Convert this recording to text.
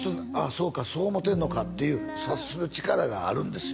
そうかそう思ってんのかっていう察する力があるんですよ